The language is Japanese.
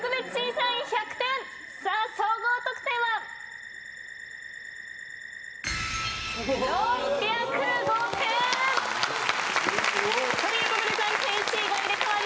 さあ総合得点は？ということで暫定１位が入れ替わります。